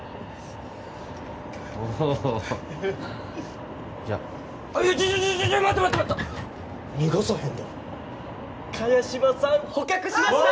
おうじゃっいやちょっちょっ待った待った逃がさへんで萱島さん捕獲しました！